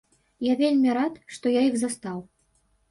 Я вельмі рад, што я іх застаў.